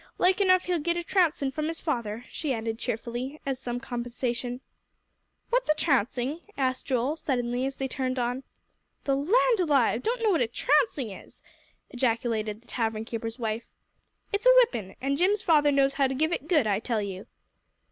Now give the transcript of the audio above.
Like enough he'll git a trouncing from his father," she added cheerfully, as some compensation. "What is a trouncing?" asked Joel, suddenly, as they hurried on. "The land alive, don't know what a trouncing is!" ejaculated the tavern keeper's wife. "It's a whipping, and Jim's father knows how to give it good, I tell you."